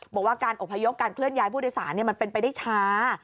บอกว่าการอบพยพการเคลื่อนย้ายผู้โดยสารมันเป็นไปได้ช้า